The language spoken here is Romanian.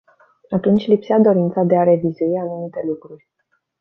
Atunci lipsea dorința de a revizui anumite lucruri.